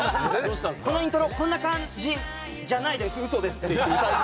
このイントロこんな感じじゃないです嘘ですって。